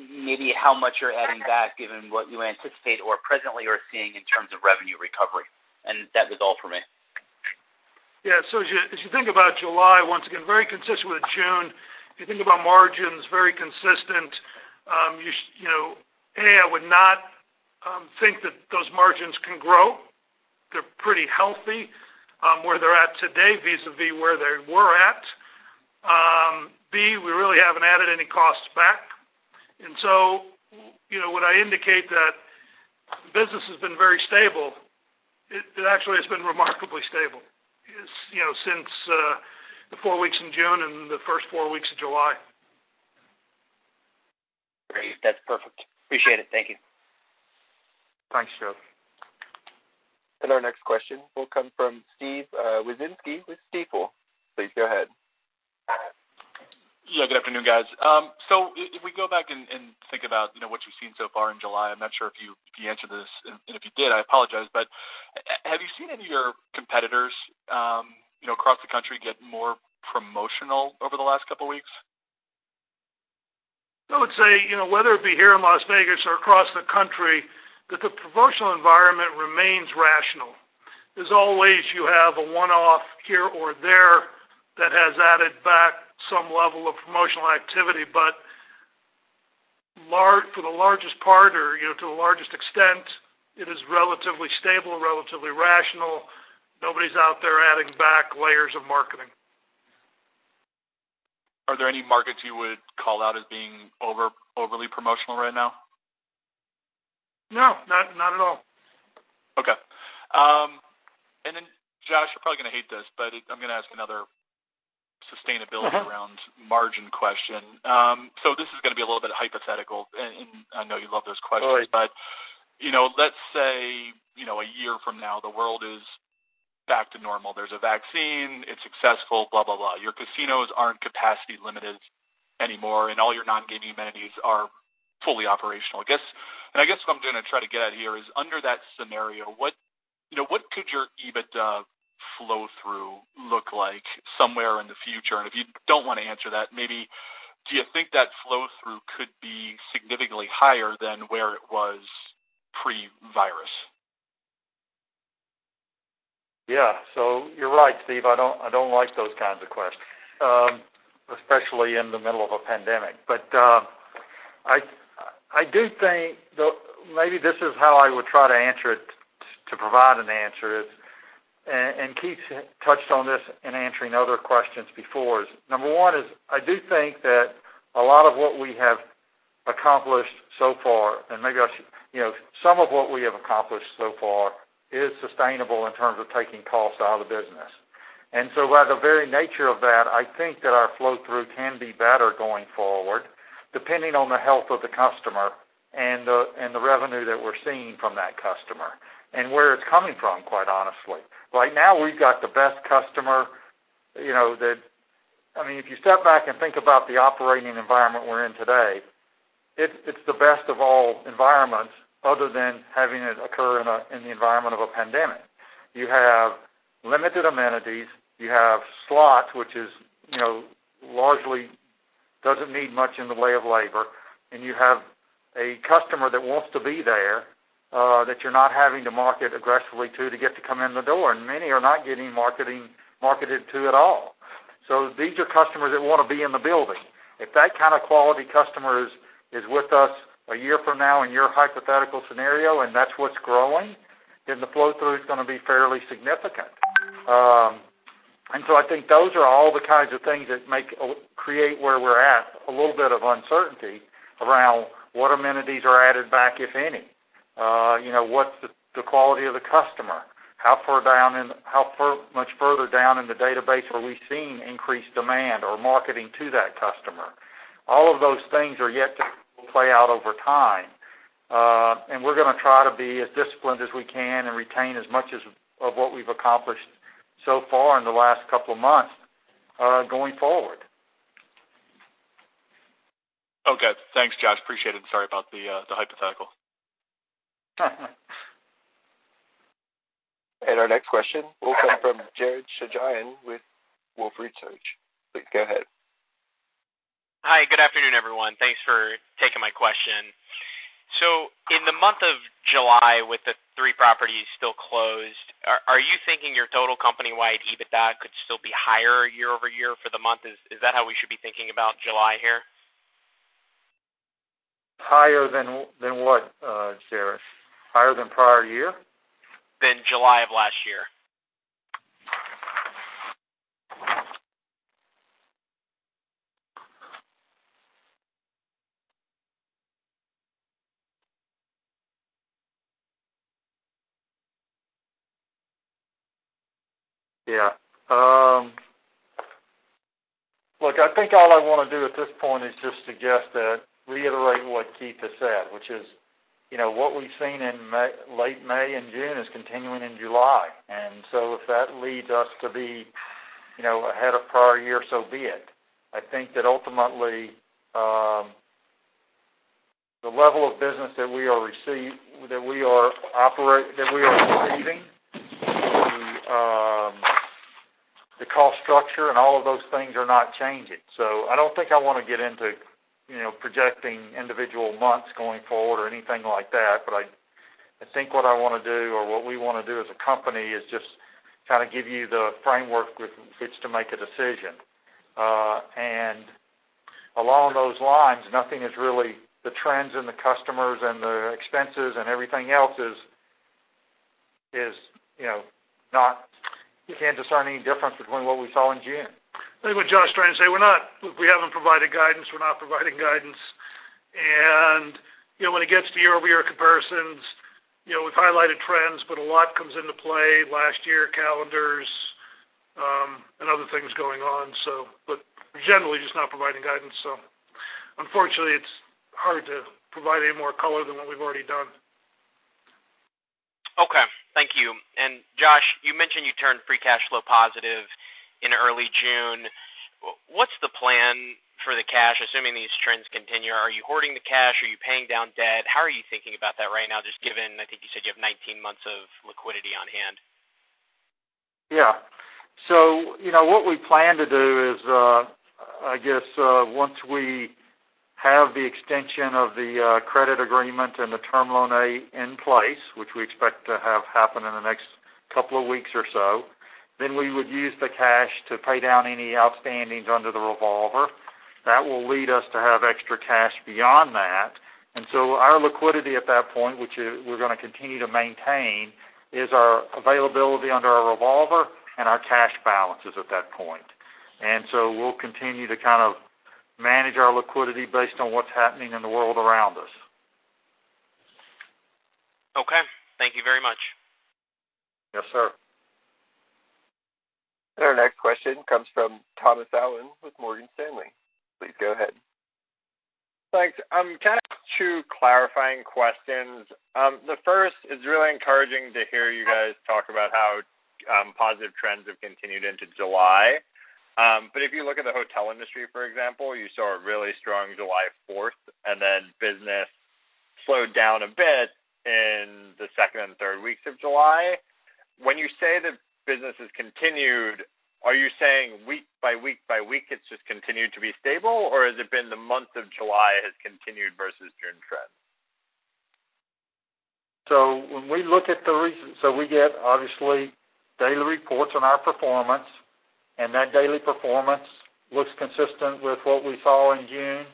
maybe how much you're adding back, given what you anticipate or presently are seeing in terms of revenue recovery. That is all for me. Yeah. So as you think about July, once again, very consistent with June. You think about margins, very consistent. You know, A, I would not think that those margins can grow. They're pretty healthy where they're at today, vis-a-vis where they were at. B, we really haven't added any costs back. And so, you know, when I indicate that business has been very stable, it actually has been remarkable. You know, since the four weeks in June and the first four weeks of July. Great. That's perfect. Appreciate it. Thank you. Thanks, Joe. Our next question will come from Steve Wieczynski with Stifel. Please go ahead. Yeah, good afternoon, guys. So if we go back and think about, you know, what you've seen so far in July, I'm not sure if you answered this, and if you did, I apologize, but have you seen any of your competitors, you know, across the country get more promotional over the last couple weeks? I would say, you know, whether it be here in Las Vegas or across the country, that the promotional environment remains rational. As always, you have a one-off here or there that has added back some level of promotional activity, but for the largest part or, you know, to the largest extent, it is relatively stable and relatively rational. Nobody's out there adding back layers of marketing. Are there any markets you would call out as being overly promotional right now? No, not, not at all. Okay. And then, Josh, you're probably gonna hate this, but I'm gonna ask another sensitivity around margin question. So this is gonna be a little bit hypothetical, and I know you love those questions. All right. But, you know, let's say, you know, a year from now, the world is back to normal. There's a vaccine, it's successful, blah, blah, blah. Your casinos aren't capacity limited anymore, and all your non-gaming amenities are fully operational. I guess... I guess what I'm gonna try to get at here is, under that scenario, what, you know, what could your EBITDA flow through look like somewhere in the future? And if you don't want to answer that, maybe do you think that flow through could be significantly higher than where it was pre-virus? Yeah. So you're right, Steve, I don't like those kinds of questions, especially in the middle of a pandemic. But I do think maybe this is how I would try to answer it, to provide an answer is, and Keith touched on this in answering other questions before, is number one is, I do think that a lot of what we have accomplished so far, and maybe I should... You know, some of what we have accomplished so far is sustainable in terms of taking costs out of the business. And so by the very nature of that, I think that our flow through can be better going forward, depending on the health of the customer and the revenue that we're seeing from that customer, and where it's coming from, quite honestly. Right now, we've got the best customer, you know, that. I mean, if you step back and think about the operating environment we're in today, it's the best of all environments other than having it occur in the environment of a pandemic. You have limited amenities, you have slots, which is, you know, largely doesn't need much in the way of labor, and you have a customer that wants to be there that you're not having to market aggressively to get to come in the door, and many are not getting marketed to at all. So these are customers that want to be in the building. If that kind of quality customer is with us a year from now in your hypothetical scenario, and that's what's growing, then the flow through is gonna be fairly significant. And so I think those are all the kinds of things that make create where we're at a little bit of uncertainty around what amenities are added back, if any. You know, what's the quality of the customer? How far much further down in the database are we seeing increased demand or marketing to that customer? All of those things are yet to play out over time. And we're gonna try to be as disciplined as we can and retain as much as of what we've accomplished so far in the last couple of months going forward. Okay. Thanks, Josh. Appreciate it. Sorry about the hypothetical. Our next question will come from Jared Shojaian with Wolfe Research. Please go ahead. Hi, good afternoon, everyone. Thanks for taking my question. So in the month of July, with the three properties still closed, are you thinking your total company-wide EBITDA could still be higher year-over-year for the month? Is that how we should be thinking about July here? Higher than what, Jared? Higher than prior year? than July of last year. Yeah. Look, I think all I want to do at this point is just suggest that, reiterate what Keith has said, which is, you know, what we've seen in May, late May and June is continuing in July. And so if that leads us to be, you know, ahead of prior year, so be it. I think that ultimately, the level of business that we are receiving, the, the cost structure and all of those things are not changing. So I don't think I want to get into, you know, projecting individual months going forward or anything like that, but I think what I want to do or what we want to do as a company is just kind of give you the framework with which to make a decision. And along those lines, nothing is really the trends in the customers and the expenses and everything else is, you know, not—you can't discern any difference between what we saw in June. I think what Josh is trying to say, we're not. We haven't provided guidance, we're not providing guidance. And, you know, when it gets to year-over-year comparisons, you know, we've highlighted trends, but a lot comes into play, last year, calendars, and other things going on. So, but generally just not providing guidance. So unfortunately, it's hard to provide any more color than what we've already done. Okay. Thank you. And Josh, you mentioned you turned free cash flow positive in early June. What's the plan for the cash, assuming these trends continue? Are you hoarding the cash? Are you paying down debt? How are you thinking about that right now, just given, I think you said you have 19 months of liquidity on hand? Yeah. So, you know, what we plan to do is, I guess, once we have the extension of the, credit agreement and the Term Loan A in place, which we expect to have happen in the next couple of weeks or so, then we would use the cash to pay down any outstandings under the revolver. That will lead us to have extra cash beyond that. And so our liquidity at that point, which is, we're gonna continue to maintain, is our availability under our revolver and our cash balances at that point. And so we'll continue to kind of manage our liquidity based on what's happening in the world around us. Okay, thank you very much. Yes, sir. Our next question comes from Thomas Allen with Morgan Stanley. Please go ahead. Thanks. Kind of two clarifying questions. The first, it's really encouraging to hear you guys talk about how positive trends have continued into July. But if you look at the hotel industry, for example, you saw a really strong July Fourth, and then business slowed down a bit in the second and third weeks of July. When you say that business has continued, are you saying week by week by week, it's just continued to be stable, or has it been the month of July has continued versus June trends? So we get obviously daily reports on our performance, and that daily performance looks consistent with what we saw in June,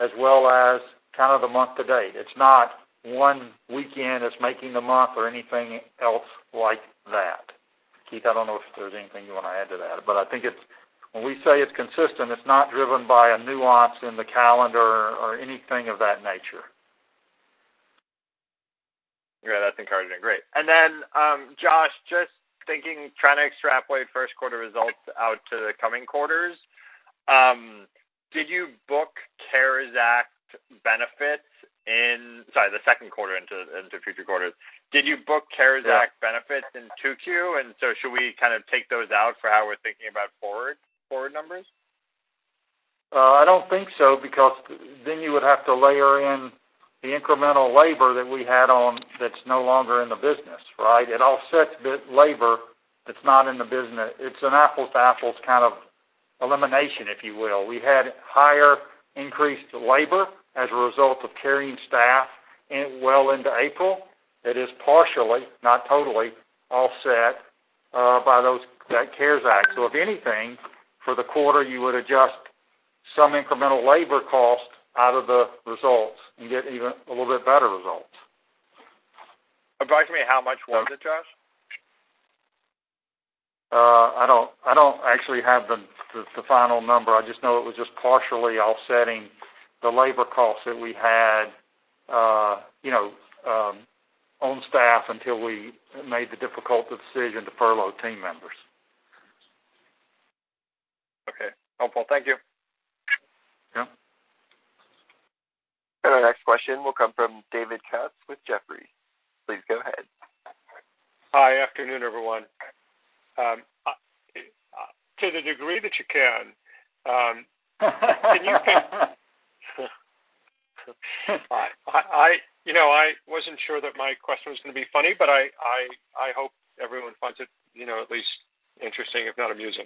as well as kind of the month to date. It's not one weekend that's making the month or anything else like that. Keith, I don't know if there's anything you want to add to that, but I think it's... When we say it's consistent, it's not driven by a nuance in the calendar or anything of that nature. Yeah, that's encouraging. Great. And then, Josh, just thinking, trying to extrapolate first quarter results out to the coming quarters. Did you book CARES Act benefits in... Sorry, the second quarter into, into future quarters. Did you book CARES Act benefits- Yeah in 2Q? And so should we kind of take those out for how we're thinking about forward, forward numbers? I don't think so, because then you would have to layer in the incremental labor that we had on, that's no longer in the business, right? It offsets the labor that's not in the business. It's an apples to apples kind of elimination, if you will. We had higher increased labor as a result of carrying staff, in well into April. It is partially, not totally, offset by that CARES Act. So if anything, for the quarter, you would adjust some incremental labor costs out of the results and get even a little bit better results. Approximately how much was it, Josh? I don't actually have the final number. I just know it was just partially offsetting the labor costs that we had, you know, on staff until we made the difficult decision to furlough team members. Okay, helpful. Thank you. Yeah. Our next question will come from David Katz with Jefferies. Please go ahead. Hi, afternoon, everyone. To the degree that you can, can you... I you know, I wasn't sure that my question was going to be funny, but I hope everyone finds it, you know, at least interesting, if not amusing.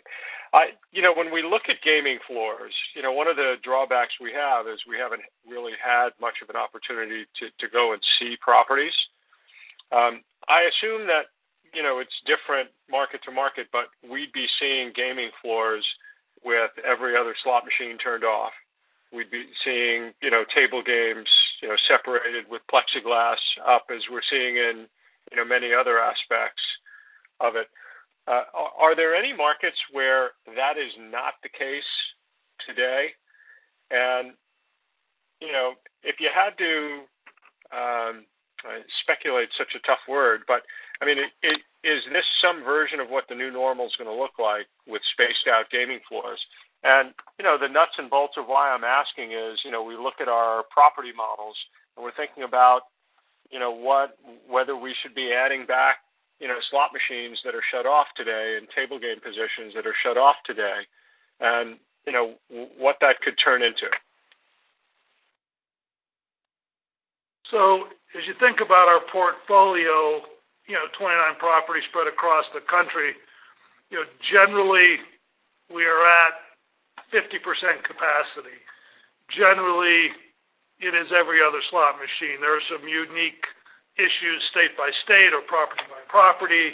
You know, when we look at gaming floors, you know, one of the drawbacks we have is we haven't really had much of an opportunity to go and see properties. I assume that, you know, it's different market to market, but we'd be seeing gaming floors with every other slot machine turned off. We'd be seeing, you know, table games, you know, separated with plexiglass up as we're seeing in, you know, many other aspects of it. Are there any markets where that is not the case today? You know, if you had to speculate, such a tough word, but I mean, is this some version of what the new normal is gonna look like with spaced out gaming floors? You know, the nuts and bolts of why I'm asking is, you know, we look at our property models, and we're thinking about, you know, whether we should be adding back, you know, slot machines that are shut off today and table game positions that are shut off today, and, you know, what that could turn into. So as you think about our portfolio, you know, 29 properties spread across the country, you know, generally, we are at 50% capacity. Generally, it is every other slot machine. There are some unique issues state by state or property by property.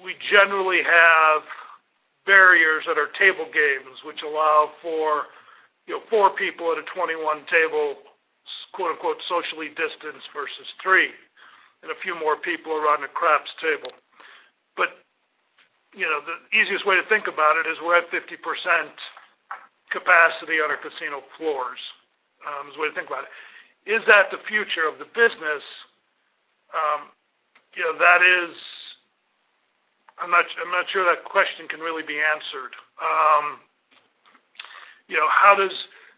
We generally have barriers at our table games, which allow for, you know, 4 people at a 21 table, quote unquote, socially distanced versus 3, and a few more people around a craps table.... you know, the easiest way to think about it is we're at 50% capacity on our casino floors is the way to think about it. Is that the future of the business? You know, that is, I'm not, I'm not sure that question can really be answered. You know, how does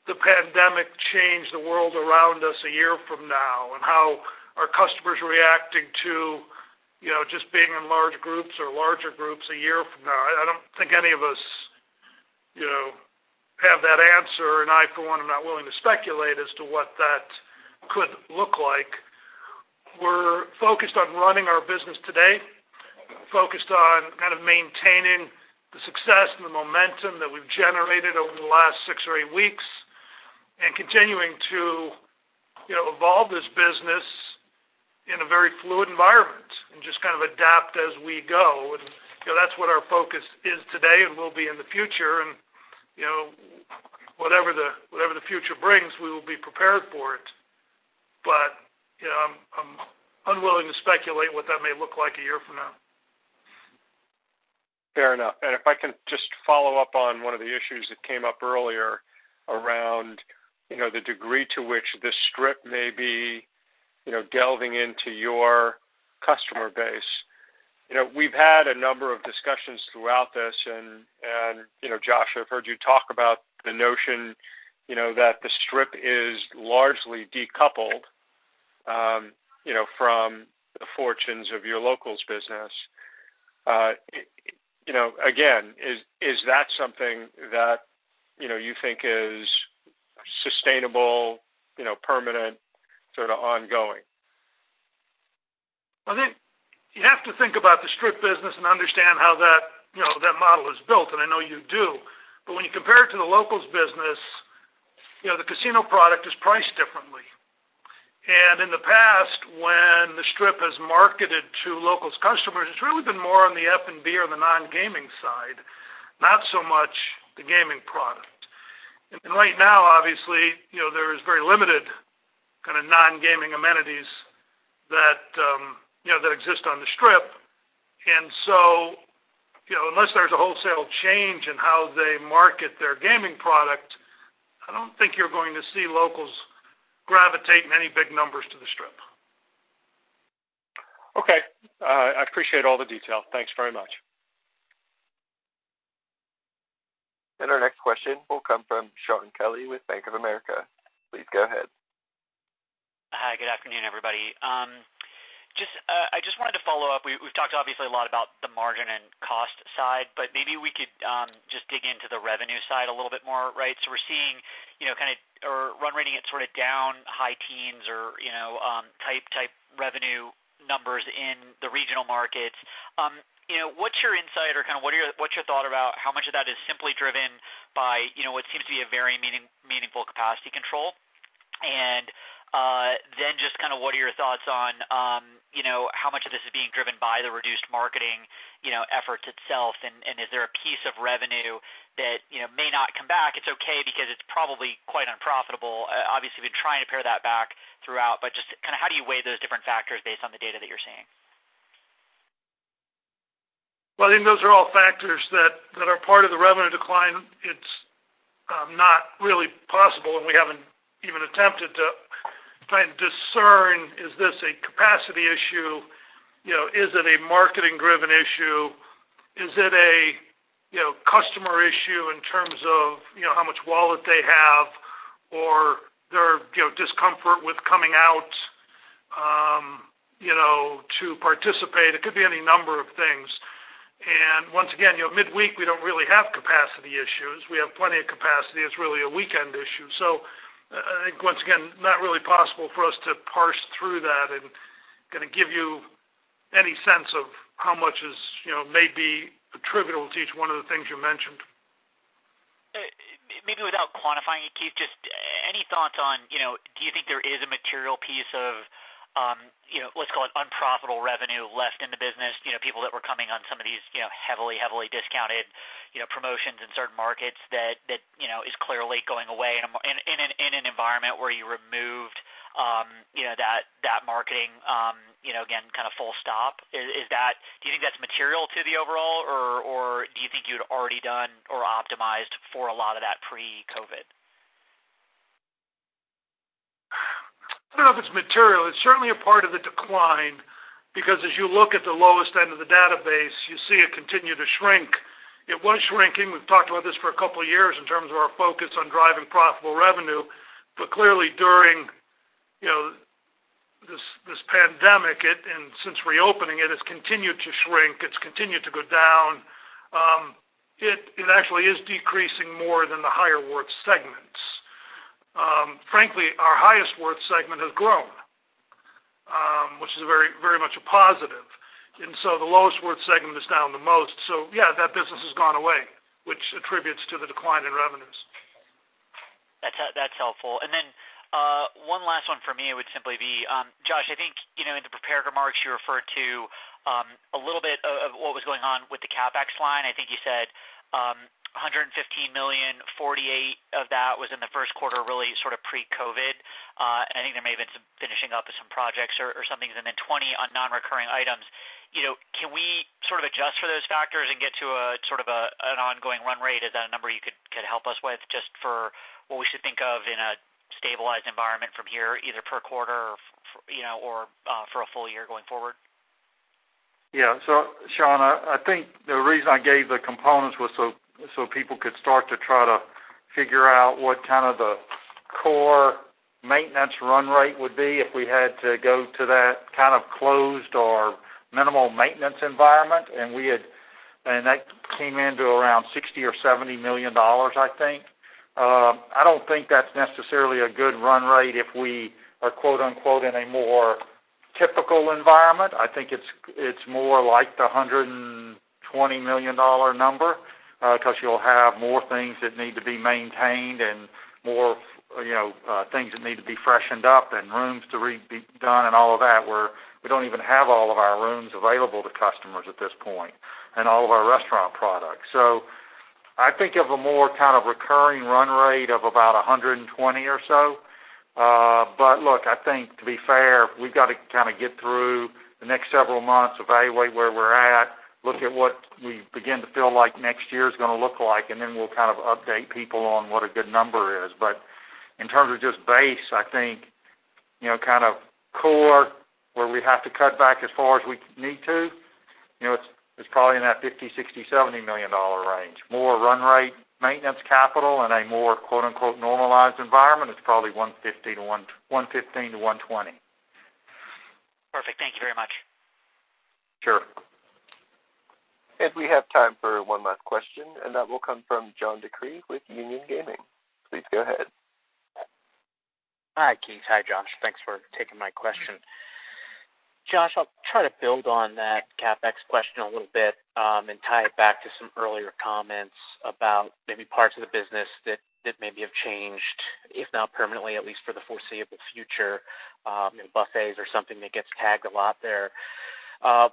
the pandemic change the world around us a year from now? And how are customers reacting to, you know, just being in large groups or larger groups a year from now? I, I don't think any of us, you know, have that answer, and I, for one, am not willing to speculate as to what that could look like. We're focused on running our business today, focused on kind of maintaining the success and the momentum that we've generated over the last 6 or 8 weeks, and continuing to, you know, evolve this business in a very fluid environment and just kind of adapt as we go. And, you know, that's what our focus is today and will be in the future. And, you know, whatever the, whatever the future brings, we will be prepared for it. But, you know, I'm, I'm unwilling to speculate what that may look like a year from now. Fair enough. If I can just follow up on one of the issues that came up earlier around, you know, the degree to which the Strip may be, you know, delving into your customer base. You know, we've had a number of discussions throughout this, and, you know, Josh, I've heard you talk about the notion, you know, that the Strip is largely decoupled, you know, from the fortunes of your locals business. It, you know, again, is that something that, you know, you think is sustainable, you know, permanent, sort of ongoing? I think you have to think about the Strip business and understand how that, you know, that model is built, and I know you do. But when you compare it to the locals business, you know, the casino product is priced differently. In the past, when the Strip has marketed to locals customers, it's really been more on the F&B or the nongaming side, not so much the gaming product. Right now, obviously, you know, there is very limited kind of nongaming amenities that, you know, that exist on the Strip. So, you know, unless there's a wholesale change in how they market their gaming product, I don't think you're going to see locals gravitate in any big numbers to the Strip. Okay, I appreciate all the detail. Thanks very much. Our next question will come from Shaun Kelley with Bank of America. Please go ahead. Hi, good afternoon, everybody. Just, I just wanted to follow up. We've talked obviously a lot about the margin and cost side, but maybe we could just dig into the revenue side a little bit more, right? So we're seeing, you know, kind of, or run rating it sort of down high teens or, you know, type revenue numbers in the regional markets. You know, what's your insight or kind of what are your-- what's your thought about how much of that is simply driven by, you know, what seems to be a very meaningful capacity control? And then just kind of what are your thoughts on, you know, how much of this is being driven by the reduced marketing, you know, efforts itself? And is there a piece of revenue that, you know, may not come back? It's okay, because it's probably quite unprofitable. Obviously, we've been trying to pare that back throughout, but just kind of how do you weigh those different factors based on the data that you're seeing? Well, I think those are all factors that are part of the revenue decline. It's not really possible, and we haven't even attempted to try and discern, is this a capacity issue? You know, is it a marketing-driven issue? Is it a customer issue in terms of how much wallet they have or their discomfort with coming out, you know, to participate? It could be any number of things. And once again, you know, midweek, we don't really have capacity issues. We have plenty of capacity. It's really a weekend issue. So I think, once again, not really possible for us to parse through that and kind of give you any sense of how much is, you know, may be attributable to each one of the things you mentioned. Maybe without quantifying it, Keith, just any thoughts on, you know, do you think there is a material piece of, you know, let's call it unprofitable revenue left in the business? You know, people that were coming on some of these, you know, heavily, heavily discounted, you know, promotions in certain markets that, that, you know, is clearly going away in an environment where you removed, you know, that, that marketing, you know, again, kind of full stop. Is that material to the overall, or do you think you'd already done or optimized for a lot of that pre-COVID? I don't know if it's material. It's certainly a part of the decline, because as you look at the lowest end of the database, you see it continue to shrink. It was shrinking. We've talked about this for a couple of years in terms of our focus on driving profitable revenue. But clearly, during, you know, this pandemic, it and since reopening, it has continued to shrink. It's continued to go down. It actually is decreasing more than the higher worth segments. Frankly, our highest worth segment has grown, which is very, very much a positive. And so the lowest worth segment is down the most. So yeah, that business has gone away, which attributes to the decline in revenues. That's helpful. And then, one last one for me would simply be, Josh, I think, you know, in the prepared remarks, you referred to, a little bit of, of what was going on with the CapEx line. I think you said $115 million, 48 of that was in the first quarter, really sort of pre-COVID. And I think there may have been some finishing up of some projects or something, and then 20 on non-recurring items. You know, can we sort of adjust for those factors and get to a sort of an ongoing run rate? Is that a number you could help us with just for what we should think of in a stabilized environment from here, either per quarter or, you know, for a full year going forward? Yeah. So Shaun, I think the reason I gave the components was so people could start to try to figure out what kind of the core maintenance run rate would be if we had to go to that kind of closed or minimal maintenance environment. And that came in around $60 million-$70 million, I think. I don't think that's necessarily a good run rate if we are, quote, unquote, "in a more typical environment." I think it's more like the $120 million number, because you'll have more things that need to be maintained and more, you know, things that need to be freshened up and rooms to re-be done and all of that, where we don't even have all of our rooms available to customers at this point, and all of our restaurant products. So I think of a more kind of recurring run rate of about 120 or so. But look, I think to be fair, we've got to kind of get through the next several months, evaluate where we're at, look at what we begin to feel like next year is gonna look like, and then we'll kind of update people on what a good number is. But in terms of just base, I think, you know, kind of core, where we have to cut back as far as we need to, you know, it's, it's probably in that $50-$70 million range. More run rate, maintenance, capital, and a more, quote, unquote, "normalized environment," it's probably $115-$120 million. Perfect. Thank you very much. Sure. We have time for one last question, and that will come from John DeCree with Union Gaming. Please go ahead. Hi, Keith. Hi, Josh. Thanks for taking my question. Josh, I'll try to build on that CapEx question a little bit, and tie it back to some earlier comments about maybe parts of the business that maybe have changed, if not permanently, at least for the foreseeable future. And buffets are something that gets tagged a lot there. And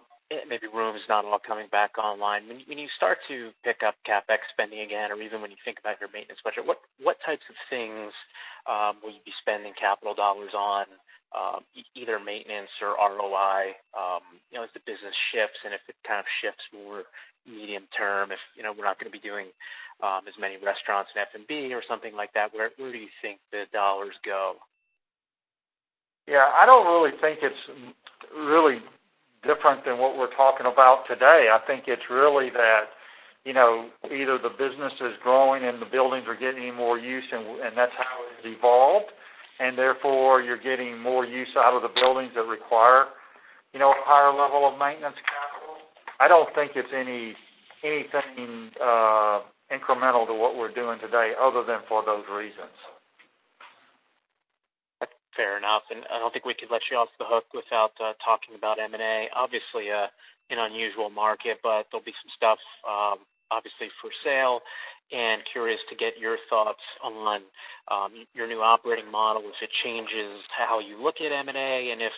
maybe rooms not all coming back online. When you start to pick up CapEx spending again, or even when you think about your maintenance budget, what types of things will you be spending capital dollars on, either maintenance or ROI, you know, as the business shifts, and if it kind of shifts more medium term, if, you know, we're not gonna be doing as many restaurants and F&B or something like that, where do you think the dollars go? Yeah, I don't really think it's really different than what we're talking about today. I think it's really that, you know, either the business is growing and the buildings are getting more use and and that's how it's evolved, and therefore, you're getting more use out of the buildings that require, you know, a higher level of maintenance capital. I don't think it's anything incremental to what we're doing today other than for those reasons. Fair enough. And I don't think we could let you off the hook without talking about M&A. Obviously, an unusual market, but there'll be some stuff, obviously for sale and curious to get your thoughts on your new operating model, if it changes how you look at M&A, and if,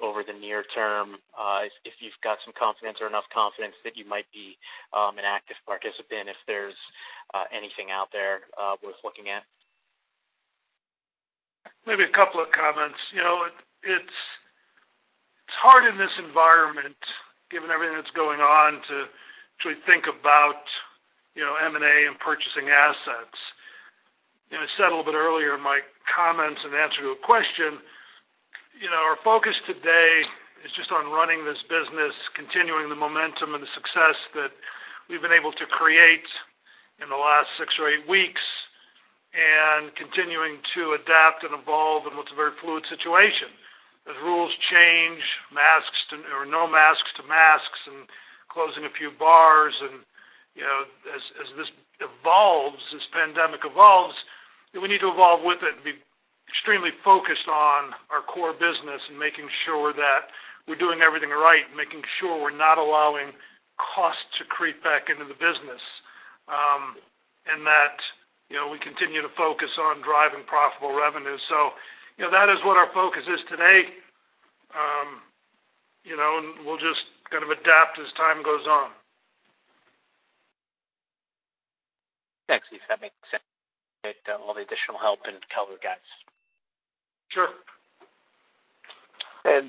over the near term, if you've got some confidence or enough confidence that you might be an active participant, if there's anything out there worth looking at? Maybe a couple of comments. You know, it's hard in this environment, given everything that's going on, to think about, you know, M&A and purchasing assets. And I said a little bit earlier in my comments in answer to a question, you know, our focus today is just on running this business, continuing the momentum and the success that we've been able to create in the last 6 or 8 weeks, and continuing to adapt and evolve in what's a very fluid situation. As rules change, masks to... or no masks to masks and closing a few bars and, you know, as, as this evolves, this pandemic evolves, then we need to evolve with it and be extremely focused on our core business and making sure that we're doing everything right, making sure we're not allowing costs to creep back into the business, and that, you know, we continue to focus on driving profitable revenue. So, you know, that is what our focus is today. You know, and we'll just kind of adapt as time goes on. Thanks, Keith. That makes sense. Get all the additional help and tell the guys. Sure.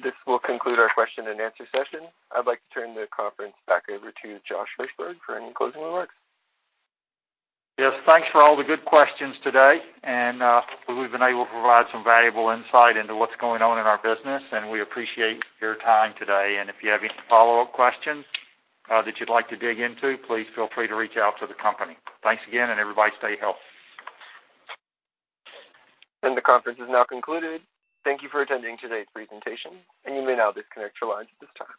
This will conclude our question and answer session. I'd like to turn the conference back over to Josh Hirsberg for any closing remarks. Yes, thanks for all the good questions today, and we've been able to provide some valuable insight into what's going on in our business, and we appreciate your time today. If you have any follow-up questions that you'd like to dig into, please feel free to reach out to the company. Thanks again, and everybody stay healthy. The conference is now concluded. Thank you for attending today's presentation, and you may now disconnect your lines at this time.